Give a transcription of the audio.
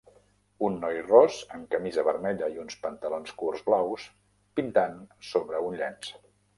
Un noi ros amb camisa vermella i uns pantalons curts blaus pintant sobre un llenç.